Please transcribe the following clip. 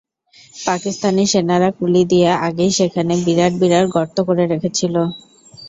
পাকিস্তানি সেনারা কুলি দিয়ে আগেই সেখানে বিরাট বিরাট গর্ত করে রেখেছিল।